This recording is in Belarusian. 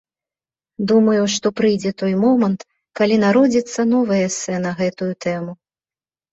Думаю, што прыйдзе той момант, калі народзіцца новае эсэ на гэтую тэму.